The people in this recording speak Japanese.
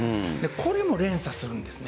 これも連鎖するんですね。